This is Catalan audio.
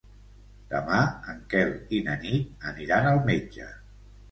Demà en Quel i na Nit aniran al metge.